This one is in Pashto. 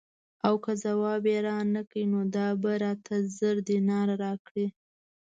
او که ځواب یې رانه کړ نو دا به راته زر دیناره راکړي.